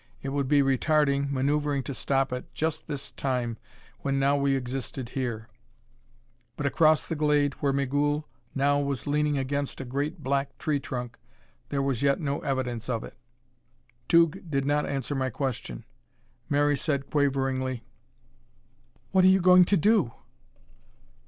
It would be retarding, maneuvering to stop at just this Time when now we existed here; but across the glade, where Migul now was leaning against a great black tree trunk, there was yet no evidence of it. Tugh did not answer my question. Mary said quaveringly: "What are you going to do?"